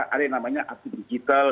ada yang namanya aksi digital